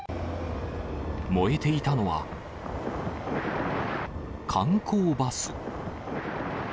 燃えていたのは、観光バス。